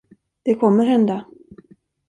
Det kommer hända.